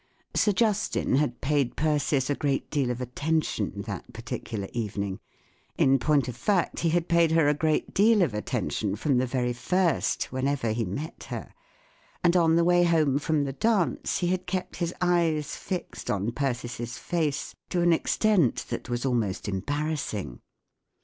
Sir Justin had paid Persis a great deal of at¬ tention that par¬ ticular evening ; in point of fact, he had paid her a great deal of attention from the very first, whenever he met her; and on the way home from the dance he had kept his eyes fixed on Persist face to an extent that was almost e m barrassing.